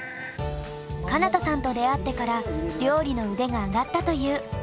かな多さんと出会ってから料理の腕が上がったという知之さん。